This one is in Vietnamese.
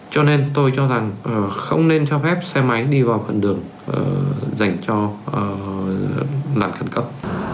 cho nên tôi cho rằng không nên cho phép xe máy đi vào phần đường dành cho nạn khẩn cấp